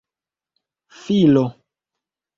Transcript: filo